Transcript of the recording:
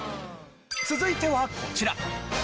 続いてはこちら。